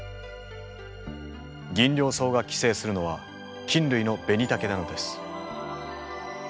ギンリョウソウが寄生するのは菌類のベニタケなのです。